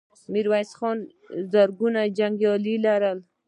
ميرويس خان په زرګونو جنګيالي لري.